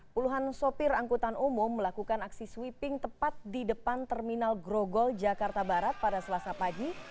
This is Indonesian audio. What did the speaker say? puluhan sopir angkutan umum melakukan aksi sweeping tepat di depan terminal grogol jakarta barat pada selasa pagi